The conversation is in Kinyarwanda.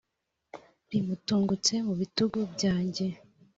Rimutungutse mu bitugu byanjye